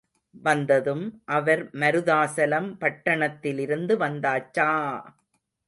வந்ததும் அவர், மருதாசலம், பட்டணத்திலிருந்து வந்தாச்சா!